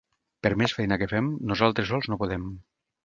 Per més feina que fem, nosaltres sols no podem.